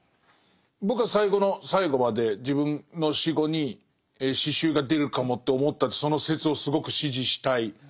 僕は最後の最後まで自分の死後に詩集が出るかもって思ったその説をすごく支持したい。